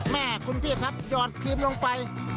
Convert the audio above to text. แม่คุณพี่ครับหยอดครีมลงไป